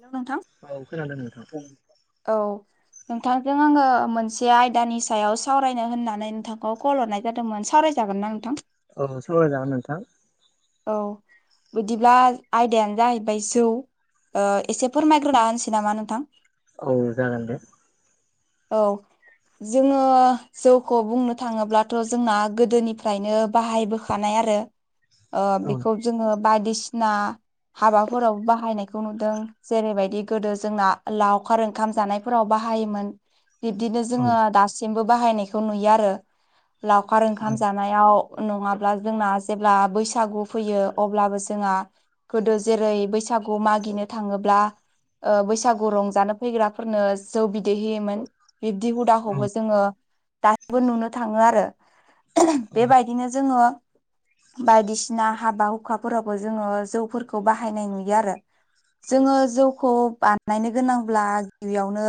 हेल' नोंथां औ खोनादों नोंथां औ नोंथांजों आङो मोनसे आयदानि सायाव सावरायनो होननानै नोंथांखौ कल हरनाय जादोंमोन सावराय जागोन ना नोंथां? औ सावराय जागोन नोंथां। औ बिदिब्ला आयदायानो जाहैबाय जौ। ओ एसे फोरमायग्रोना होनसै नामा नोंथां? औ जागोन दे। औ जोङो जौखौ बुंनो थाङोब्लाथ' जोंना गोदोनिफ्रायनो बाहायबोखानाय आरो। ओ औ बेखौ जोङो बायदिसिना हाबाफोराव बाहायनायखौ नुदों जेरैबायदि गोदो जोंना लावखार ओंखाम जानाय फोराव बाहायोमोन। बिब्दिनो औ जोङो दासिमबो बाहायनायखौ नुयो आरो लावखार औ ओंखाम जा नायाव नङाब्ला जोंना जेब्ला बैसाग बैसागु फैयो अब्लाबो जोंहा गोदो जेरै बैसागु मागिनो थाङोब्ला ओ बैसागु रंजानो फैग्राफोरनो जौ बिदै होयोमोन। बिब्दि हुदाखौबो औ जोङो दासिमबो नुनो थाङो आरो। औ बेबायदिनो जोङो बायदिसि ना हाबा हुखाफोरावबो जोङो जौफोरखौ बाहायनाय नुयो आरो। जोङो जौखौ बानायनो गोनांब्ला गिबियावनो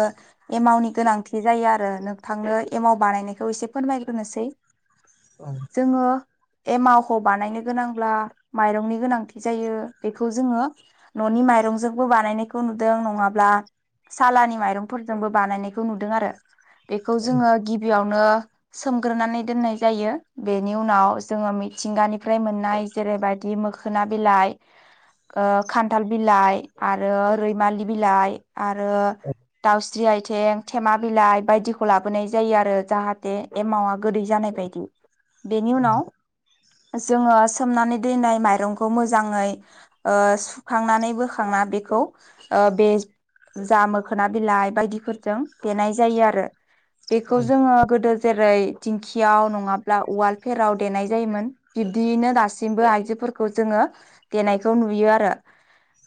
एमावनि गोनांथि जायो आरो नोंथांनो एमाव बानायनायखौ एसे फोरमायग्रोनोसै। [inaudible] ओं। जोङो एमावखौ बानायनो गोनांब्ला माइरंनि गोनांथि जायो बेखौ जोङो न'नि माइरंजोंबो बानायनायखौ नुदों नङाब्ला सालानि माइरंफोरजोंबो बानायनायखौ नुदों आरो बेखौ जोङो गिबियावनो सोमग्रोनानै दोननाय जायो बेनि उनाव जोङो मिथिंगानि फ्राय मोननाय जेरैबादि मोखोना बिलाइ ओ खान्थाल बिलाइ आरो रैमालि बिलाइ आरो दावस जि आइथें थेमा बिलाइ बायदिखौ लाबोनाय जायो आरो जाहाथे एमावा गोदै जानाय बायदि। बेनि उनाव जोङो सोमनानै दैनाय माइरंखौ मोजाङै ओ सुखांनानै बोखांना बेखौ ओ बे जाा मोखोना बिलाइ बायदिफोरजों देनाय जायो आरो। औ बेखौ जोङो गोदो जेरै दिंखियाव नङाब्ला उवालफेराव देनाय जायोमोन। बिब्दियैनो दासिमबो आइजोफोरखौ जोङो देनायखौ नुयो आरो।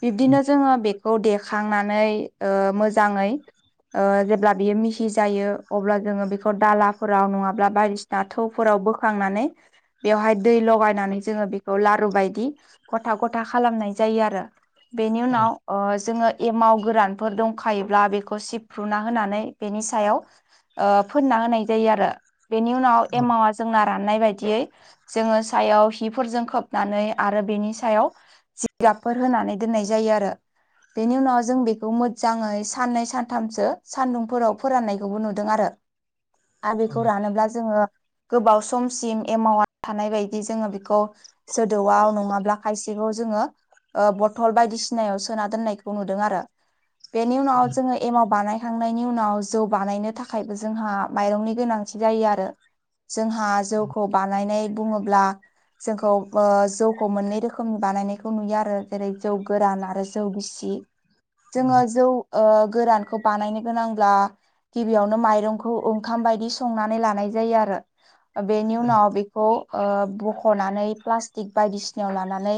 बिब्दिनो जोङो बेखौ देखांनानै ओ मोजाङै ओ जेब्ला बियो मिहि जायो अब्ला जोङो बेखौ दालाफोराव नङाब्ला बायदिसि ना थौफोराव बोखांनानै बेवहाय दै लगायनानै जोङो बेखौ लारु बायदि गथा गथा खालामनाय जायो आरो। बेनि उनाव ओ जोङो एमाव गोरानफोर दंखायोब्ला बेखौ सिफ्रुना होनानै बेनि सायाव ओ फोनना होनाय जायो आरो बेनि उनाव एमावा जोंना राननाय बायदियै जोङो सायाव हिफोरजों खोबनानै आरो बेनि सायाव जिगाबफोर होनानै दोननाय जायो आरो। बेनि उनाव जों बेखौ मोजाङै साननै सानथामसो सानदुंफोराव फोराननाय खौबो नुदों आरो। आरो बेखौ रानोब्ला जोङो गोबाव समसिम एमाउआ थानाय बायदि जोङो बेखौ सोदौआव नङाब्ला खायसेखौ जोङो ओ बथल बायदिसिनायाव सोना दोननायखौ नुदों आरो। बेनि उनाव जोङो एमाव बानायखांनायनि उनाव जौ बानायनो थाखायबो जोंहा माइरंनि गोनांथि जायो आरो जोंहा जौखौ बानायनाय बुङोब्ला जोंखौ ओ जौखौ मोननै रोखोमनि बानायनायखौ नुयो आरो जेरै जौ गोरान आरो जौ गिसि जोङो जौ ओ गोरानखौ बानायनो गोनांब्ला गिबियावनो माइरंखौ ओंखाम बायदि संनानै लानाय जायो आरो बेनि उनाव बे खौ ओ बखनानै प्लास्टिक बायदिसिनायाव लानानै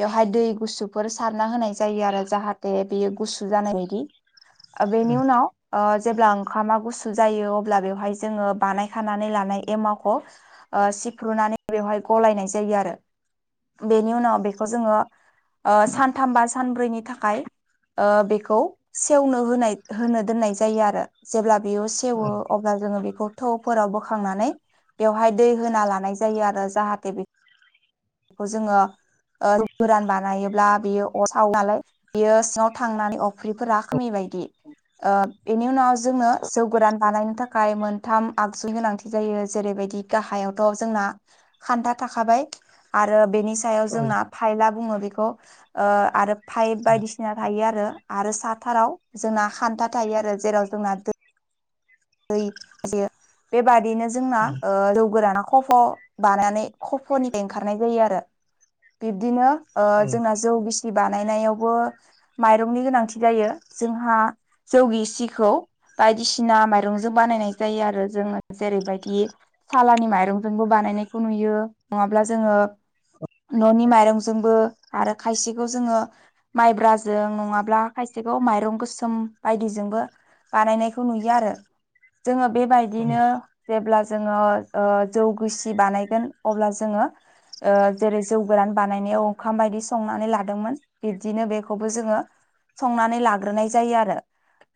बेवहाय दै गुसुफोर सारना होनाय जायो आरो जाहाथे बेयो गुसु जानाय बायदि। औ बेनि उनाव ओ जेब्ला ओंखामा गुसु जायो अब्ला बेवहाय जोङो बानाय खानानै लानाय एमावखौ ओ सिफ्र्लुनानै बेवहाय गलायनाय जायो आरो। बेनि उनाव बेखौ जोङो ओ सानथाम बा सानब्रैनि थाखाय ओ बेखौ सेवनो होनाय होनो दोननाय जायो आरो। जेब्ला बेयाव सेवो हागोन अब्ला जोङो बेखौ थौफोराव बोखांनानै बेवहाय दै होना लानाय जायो आरो जाहाथे बे खौ जोङो ओ जौ गोरान बानायोब्ला बेयो अर सावो नालाय बेयो सिङाव थांनानै अफ्रिफोरा खोमै बायदि ओ बेनि उनाव जोंनो जौ गोरान बानायनो थाखाय मोनथाम आगजुनि गोनांथि जायो जेरैबायदि गाहायावथ जोंना खान्था थाखाबाय आरो बेनि सायाव जोंना फाइला बुङो बेखौ ओ आरो फाइभ बायदिसिना थायो आरो आरो साथाराव जोंना हान्था थायो आरो जेराव जोंना दो दै दैयो बेबादिनो जोंना जौ गोराना खफ बानानै खफनिफ्राय ओंखारनाय जायो आरो बिब्दिनो ओ जोंना जौ बिसि बानायनायावबो माइरंनि गोनांथि जायो जोंहा जौगिसिखौ बायदिसिना माइ रंजों बानायनाय जायो आरो जोङो जेरैबायदि सालानि माइरंजोंबो बानायनायखौ नुयो नङाब्ला जोङो ननि माइरंजोंबो आरो खायसेखौ जोङो माइब्राजों नङाब्ला खायसेखौ माइरं गोसोम बायदिजोंबो बानायनायखौ नुयो आरो जोङो बेबायदिनो जेब्ला जोङो ओ जौगुसि बानायगोन अब्ला जोङो ओ जेरै जौ गोरान बानायनायाव ओंखाम बायदि संनानै लादोंमोन। बिब्दिनो बेखौबो जोङो संनानै लाग्रोनाय जायो आरो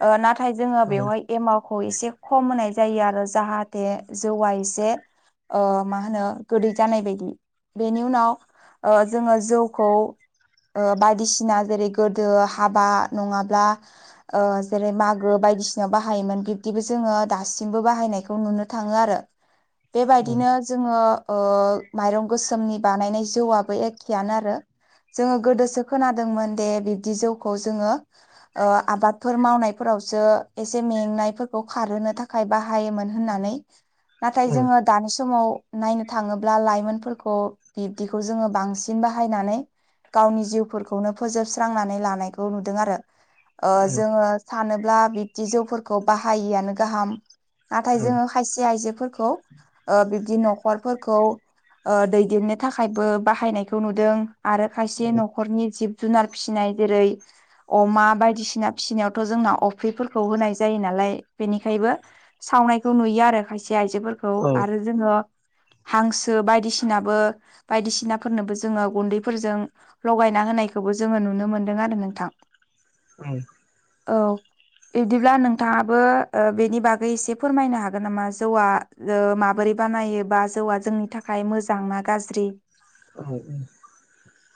ओ ना थाय जोङो बेवहाय एमावखौ एसे खम होनाय जायो आरो जाहाथे जौआ एसे ओ मा होनो गोदै जानाय बायदि बेनि उनाव ओ जोङो जौखौ ओ बायदिसिना जेरै गोदो हाबा नङाब्ला ओ जेरै मागो बायदिसिनााव बाहायोमोन बि दिबो जोङो दासिमबो बाहायनायखौ नुनो थाङो आरो बेबायदिनो जोङो ओ माइरं गोसोमनि बानायनाय जौआबो एखेयानो आरो। जोङो गोदोसो खोनादोंमोन दे बिब्दि जौखौ जोङो ओ आबादफोर मावनायफोरावसो एसे मेंनाय फो खौ खारहो थाखाय बाहायोमोन होननानै नाथाय जोङो दानि समाव नायनो थाङोब्ला लाइमोनफोरखौ बिब्दिखौ जोङो बांसिन बाहायनानै गावनि जिउफोरखौनो फोजोबस्रांनानै लानायखौ नुदों आरो। ओ जोङो सानोब्ला बिदि जौफोरखौ बाहायिआानो गाहाम नाथाय जोङो खायसे आयजोफोरखौ ओ बिब्दि न'खरफोरखौ ओ दैदेननो थाखायबो बाहायनायखौ नुदों आरो खायसे न'खरनि जिब जुनार फिसिनाय जेरै अमा बायदिसिना फिसिनायावथ' जोंना अफ्रिफोरखौ होनाय जायो ना लाय बेनिखायबो सावनायखौ नुयो आरो खायसे आइजोफोरखौ आरो जोङो हांसो बायदिसिनाबो बायदिसिनाफोरनोबो जोङो गुन्दैफोरजों लगायना होनायखौबो जोङो नुनो मोनदों आरो नोंथां। औ बिब्दिब्ला नों थाङाबो ओ बेनि बागै एसे फोरमायनो हागोन नामा जौआ ओ माबोरै बानायो बा जौवा जोंनि थाखाय मोजां ना गाज्रि [unintelligible]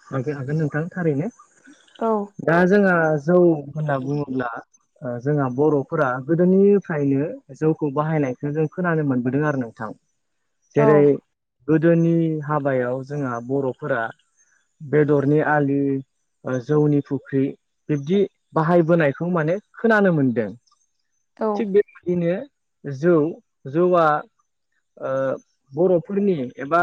हागोन-हागोन नोंथां थारैनो औ दा जोंहा जौ होनना बुङोब्ला ओ जोंहा बर'फोरा गोदोनिफ्रायनो जौखौ बाहायनायखो जों खोनानो मोनबोदों आरो नोंथां औ जेरै गोदोनि हाबायाव जोंहा बर'फोरा बेदरनि आलि ओ जौनि फुख्रि बिब्दि बाहायबोनायखौ माने खोनानो मोनदों औ थिग बेबायदिनो जौ-जौआ ओ बर'फोरनि एबा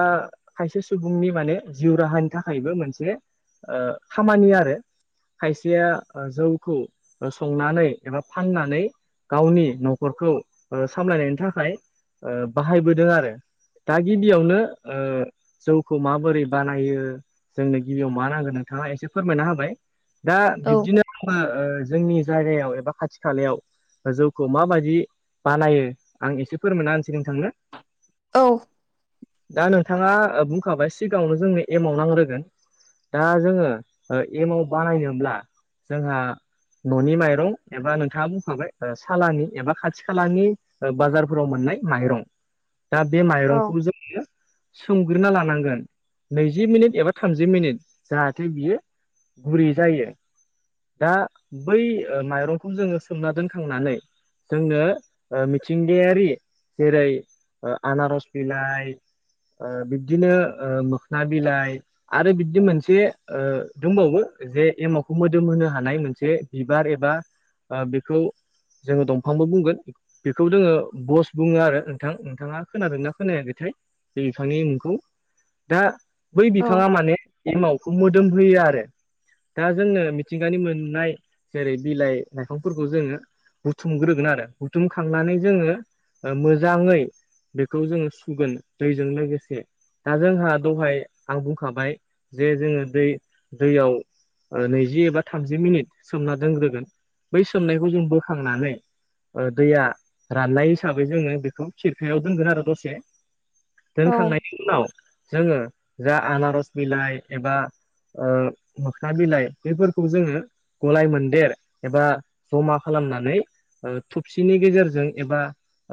खायसे सुबुंनि माने जिउ राहानि थाखायबो मोनसे ओ खामानि आरो खायसेया ओ जौखौ ओ संनानै एबा फाननानै गावनि न'खरखौ ओ सामलायनायनि थाखाय ओ बाहायबोदों आरो दा गिबियावनो ओ जौखौ माबोरै बानायो जोंनो गिबियाव मा नांगोन नोंथाङा एसे फोरमायना होबाय दा औ बिब्दिनो आङो ओ जोंनि जायगायाव एबा खाथि खालायाव ओजौखौ माबायदि बानायो आं एसे फोरमायना होनोसै नोंथांनो औ दा नोंथाङा ओ बुंखाबाय सिगाङावनो जोंनो एमाव नांग्रोगोन दा जोङो एमाव बानायनोब्ला जोंहा न'नि माइरं एबा नोंथाङा बुंखाबाय ओ सालानि एबा खाथि खालानि ओ बाजारफोराव मोननाय माइरं दा बे औ माइरंखौ [unintelligible] सोमग्रोना लानांगोन नैजि मिनिट एबा थामजि मिनिट जाहाथे बियो गुरै जायो दा बै ओ माइरंखौ जोङो सोमना दोनखांनानै जोंनो ओ मिथिंगायारि जेरै ओ आनारस बिलाइ ओ बिबदिनो ओ मोखना बिलाइ आरो बिब्दि मोनसे ओ दोंबावो जे एमावखौ मोदोम होनो हानाय मोनसे बिबार एबा ओ बेखौ जोङो दंफांबो बुंगोन बेखौ दोङो बस बुङो आरो नोंथां नोंथाङा खोनादोंना खोनायाखै थाय बे बिफांनि मुंखौ दा बै औ बिफाङा माने एमावखौ मोदोम होयो आरो दा जोंनो मिथिंगानि मोननाय जेरै बिलाइ लाइफांफोरखौ जोङो बुथुमग्रोगोन आरो बुथुमखांनानै जोङो ओ मोजाङै बेखौ जोङो सुगोन दैजों लोगोसे दा जोंहा दहाय आं बुंखाबाय जे जोङो दै- दैयाव ओ नैजि एबा थामजि मिनिट सोमना दोनग्रोगोन बै सोमनायखौ जों बोखांनानै ओ दैया राननाय हिसाबै जोङो बेखौ खिरखायाव दोनगोन आरो दसे औ दोनखांनायनि उनाव जोङो जा आनारस बिलाइ एबा ओ मोखना बिलाइ बेफोरखौ जोङो गलाय मोनदेर एबा जमा खालामनानै ओ थबसिनि गेजेरजों एबा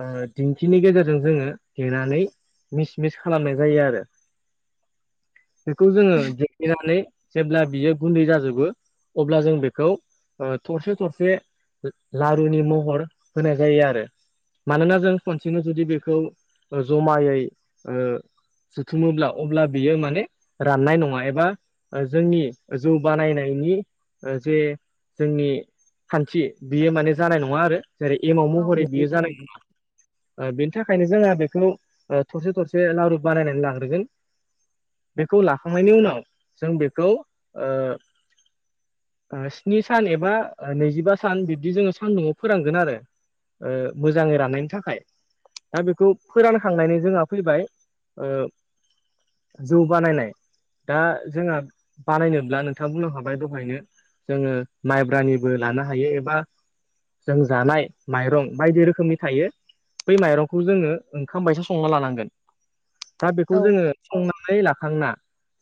ओ दिंखिनि गेजेरजों जोङो देनानै मिस मिस खालामनाय जायो आरो बेखौ जोङो [unintelligible] नानै जेब्ला बियो गुन्दै जाजोबो अब्ला जों बेखौ ओ थरसे थरसे लारुनि महर होनाय जायो आरो मानोना जों खनसेनो जुदि बेखौ ओ जमायै ओ जुथुमोब्ला अब्ला बियो माने राननाय नङा एबा ओ जोंनि जौ बानायनायनि ओ जे जोंनि खान्थि बियो माने जानाय नङा आरो। जेरै एमाव महरै बियो जानाय नाङा बेनि थाखायनो जोंहा बेखौ। थरसे थरसे लावारु बानायनानै लाग्रोगोन। बेखौ लाखांनायनि उनाव जों बेखौ। स्नि सान एबा नैजिबा सान बिब्दि जोङो सानदुङआव फोरानांगोन आरो। ओ-मोजाङै राननायनि थाखाय दा बेखौ फोरानखांनानै जोंहा। फैबाय ओ-जौ बानायनाय। दा जोंहा बानायनोब्ला नोंथाङा बुंलां हाबाय दहायनो। जोङो माइब्रानिबो लानो हायो एबा जों जानाय माइरं बायदि रोखोमनि थायो। बै माइरंखौ जोङो ओंखाम बायसा संना लानांगोन। दा बेखौ औ जोङो संनानै लाखांना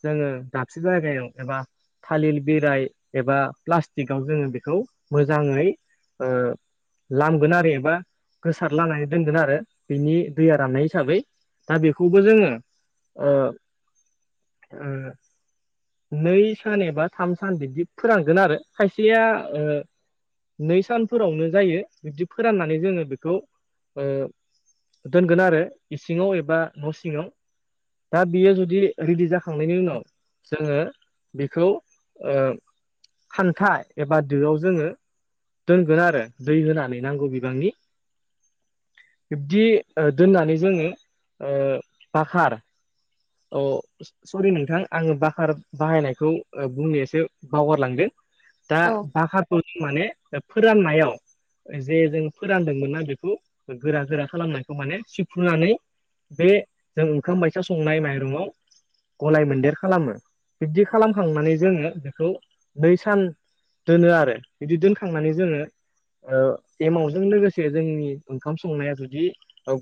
जोङो दाबसे जायगायाव एबा थालिर बिराय एबा प्लास्टिकआव जोङो बेखौ मोजाङै ओ लामगोन आरो एबा गोसारलनानै दोनगोन आरो बिनि दैया राननाय हिसाबै। दा बेखौबो जोङो ओ- ओ नै सान एबा थाम सान बिबदि फोरानांगोन आरो खायसेया ओ नै सानफोरावनो जायो बिबदि फोराननानै जोङो बेखौ ओ दोनगोन आरो इसिङाव एबा न सिङाव दा बियो जुदि रेडि जाखा थांनायनि उनाव जोङो बेखौ ओ खान्था एबा दोआव जोङो। दोनगोन आरो दै होनानै नांगौ बिबांनि। बिब्दि दोननानै जोङो बाखार औ सरि नोंथां आङो बाकार बाहायनायखौ बुंनो एसे बावगारलांदों। दा औ बाखारखौ जों माने फोराननायाव। जे जों फोरानदोंमोन ना बेखौ गोरा गोरा खालामनायखौ माने सिफ्रुनानै। बे जों ओंखाम बैसा संनाय माइरंआव। गलाय मोनदेर खालामो बिब्दि खालामखांनानै जोङो बेखौ नै सान। दोनो आरो बिदि दोनखांनानै जोङो। ओ-एमावजों लोगोसे जोंनि ओंखाम संनाया जुदि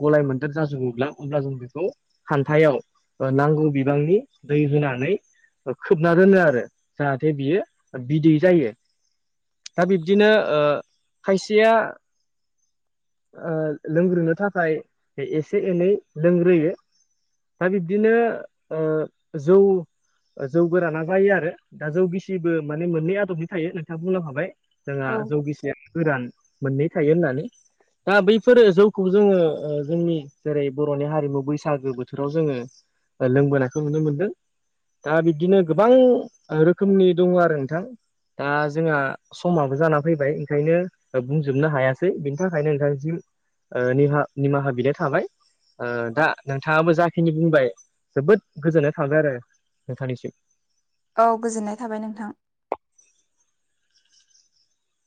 गलाय मोन्देर जाजोबोब्ला अब्ला जों बेखौ हान्थायाव। नांगौ बिबांनि दै होनानै। खोबना दोनो आरो जाहाथे बियो बिदै जायो। दा बिब्दिनो ओ-खायसेया। ओ-लोंग्रोनो थाखाय एसे एनै लोंग्रोयो। दा बिब्दिनो ओ-जौ जौ गोराना जायो आरो दा जौ गिसिबो माने मोननै आदबनि थायो नोंथाङा बुंनोां हाबाय। जोंहा जौगिसे गोरान मोननै थायो होननानै। दा बैफोर जौखौ जोङो जोंनि। जेरै बरनि हारिमु बैसागो बोथोराव जोङो लोंबोनायखौ नुनो मोनदों। दा बिब्दिनो गोबां रोखोमनि दङ आरो नोंथां दा जोंहा। समाबो जाना फैबाय ओंखायनो बुंजोबनो हायासै बिनि थाखायनो नोनथांसिम। ओ-निहा निमाहा बिद थाबाय ओ-दा नोंथाङाबो जाखिनि बुंबाय। जोबोद गोजोननाय थाबाय आरो नोंथांनिसिम। औ गोजोननाय थाबाय नोंथां।